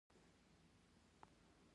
ګاندي جی د دوی روحاني پلار دی.